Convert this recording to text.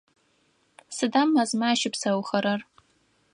Сыда мэзмэ ащыпсэухэрэр?